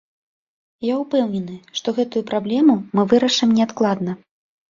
Я ўпэўнены, што гэтую праблему мы вырашым неадкладна.